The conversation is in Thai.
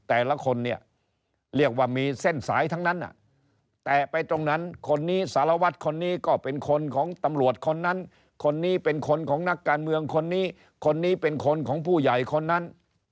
แต่ละคนเนี่ยเรียกว่ามีเส้นสายทั้งนั้นแต่ไปตรงนั้นคนนี้สารวัตรคนนี้ก็เป็นคนของตำรวจคนนั้นคนนี้เป็นคนของนักการเมืองคนนี้คนนี้เป็นคนของผู้ใหญ่คนนั้น